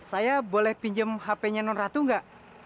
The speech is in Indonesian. saya boleh pinjam hp nya non ratu enggak